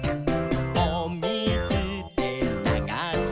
「おみずでながして」